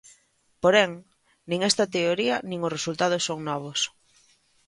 Porén, nin esta teoría nin os resultados son novos.